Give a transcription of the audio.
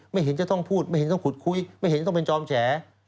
เห็นจะต้องพูดไม่เห็นต้องขุดคุยไม่เห็นต้องเป็นจอมแฉ